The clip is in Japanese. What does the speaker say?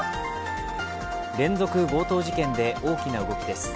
連続強盗事件で大きな動きです。